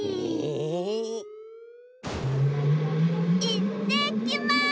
いってきます！